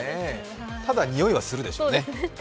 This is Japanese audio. ただ、においはするでしょうね。